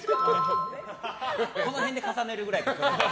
この辺で重ねるくらいで。